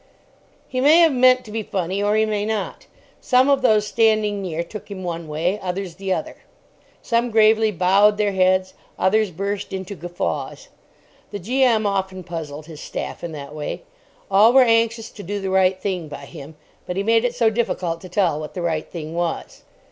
He may have meant to be funny, or he may not. Some of those standing near took him one way, others the other. Some gravely bowed their heads, others burst into guffaws. The G.M. often puzzled his staff in that way. All were anxious to do the right thing by him, but he made it so difficult to tell what the right thing was.